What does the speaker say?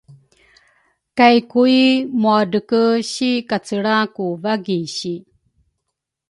kay Kui muadrege si kacelra ku wagisi.